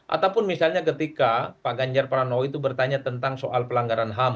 ataupun misalnya ketika pak ganjar pranowo itu bertanya tentang soal pelanggaran ham